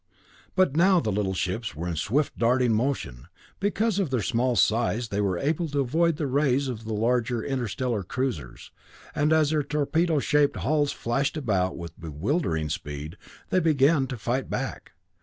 But now the little ships were in swift darting motion. Because of their small size, they were able to avoid the rays of the larger interstellar cruisers, and as their torpedo shaped hulls flashed about with bewildering speed, they began to fight back.